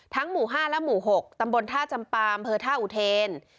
ทั้งหมู่ห้าและหมู่หกตำบลท่าจำปามเพอร์ท่าอุเทรน